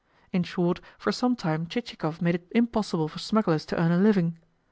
In short, for some time Chichikov made it impossible for smugglers to earn a living.